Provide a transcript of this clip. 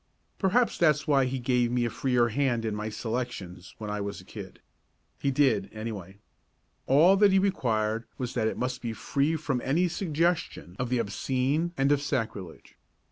Perhaps that's why he gave me a freer hand in my selections when I was a kid. He did, anyway. All that he required was that it must be free from any suggestion of the obscene and of sacrilege.